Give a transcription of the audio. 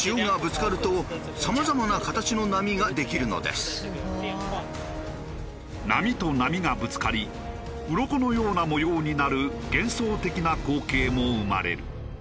すごい！波と波がぶつかりうろこのような模様になる幻想的な光景も生まれる。